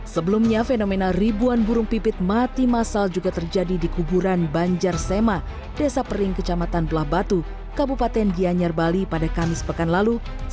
sebelumnya fenomena ribuan burung pipit mati massal juga terjadi di kuburan banjar sema desa pering kecamatan belah batu kabupaten gianyar bali pada kamis pekan lalu